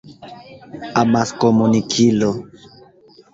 amaskomunikilo